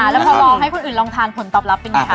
แล้วพอบอกให้คนอื่นลองทานผลตอบรับเป็นไงคะ